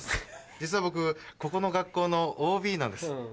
実は僕ここの学校のＯＢなんです。